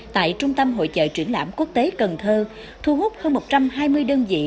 tại trung tâm hội trợ triển lãm quốc tế cần thơ thu hút hơn một trăm hai mươi đơn vị